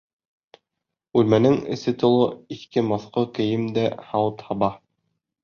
Бүлмәнең эсе тулы иҫке-моҫҡо кейем дә һауыт-һаба.